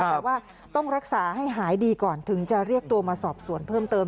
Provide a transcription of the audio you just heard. แต่ว่าต้องรักษาให้หายดีก่อนถึงจะเรียกตัวมาสอบสวนเพิ่มเติม